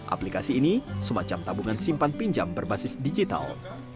aplikasi ini semacam tabungan simpan pinjam berbasis digital